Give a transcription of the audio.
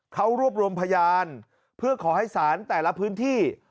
เขารวบรวมพยานเพื่อขอให้ศาลแต่ละพื้นที่